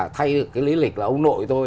thay được cái lý lịch là ông nội tôi